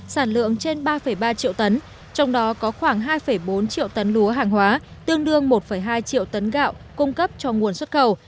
sản lượng trên ba ba triệu tấn trong đó có khoảng hai bốn triệu tấn lúa hàng hóa tương đương một hai triệu tấn gạo cung cấp cho nguồn xuất khẩu